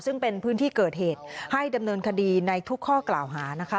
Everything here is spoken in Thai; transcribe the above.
ซึ่งเป็นพื้นที่เกิดเหตุให้ดำเนินคดีในทุกข้อกล่าวหานะคะ